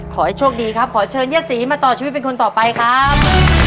ขอให้โชคดีครับขอเชิญย่าศรีมาต่อชีวิตเป็นคนต่อไปครับ